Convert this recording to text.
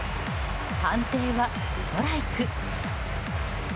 判定はストライク。